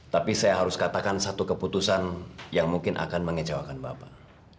tapi saya harus katakan satu keputusan yang mungkin akan mengecewakan bapak